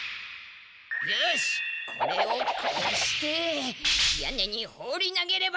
よしこれをこうして屋根に放り投げれば。